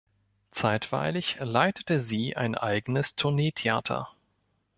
Zeitweilig leitete sie ein eigenes Tourneetheater.